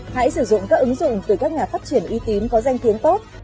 hãy sử dụng các ứng dụng từ các nhà phát triển uy tín có danh tiếng tốt